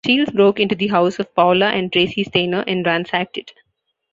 Shields broke into the house of Paula and Tracy Steiner and ransacked it.